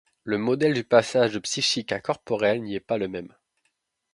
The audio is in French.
Le modèle du passage de psychique à corporel n'y est pas le même.